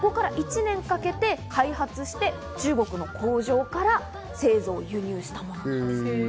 そこから１年かけて開発して、中国の工場から製造・輸入したもの。